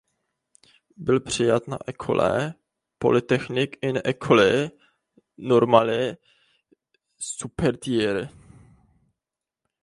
Byl přijat na École Polytechnique i na École normale supérieure.